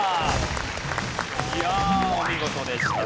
いやお見事でした。